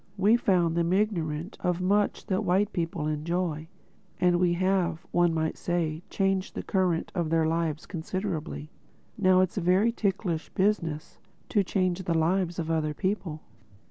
We found them ignorant of much that white people enjoy. And we have, one might say, changed the current of their lives considerably. Now it is a very ticklish business, to change the lives of other people.